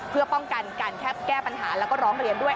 เพื่อป้องกันการแค่แก้ปัญหาแล้วก็ร้องเรียนด้วย